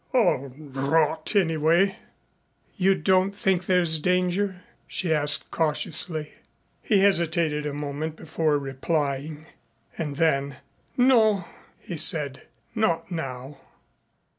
All rot anyway." "You don't think there's danger," she asked cautiously. He hesitated a moment before replying. And then, "No," he said, "not now."